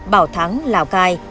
bảo thắng lào cai